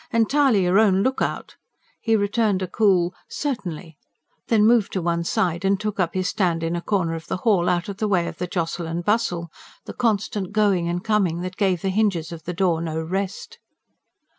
entirely your own look out," he returned a cool: "Certainly," then moved to one side and took up his stand in a corner of the hall, out of the way of the jostle and bustle, the constant going and coming that gave the hinges of the door no rest.